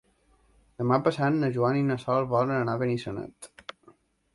Demà passat na Joana i na Sol volen anar a Benissanet.